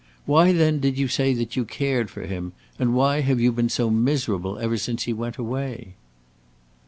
Why, then, did you say that you cared for him? and why have you been so miserable ever since he went away?"